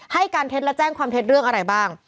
ให้การเท็จและแจ้งความเท็จเรื่องอะไรบ้าง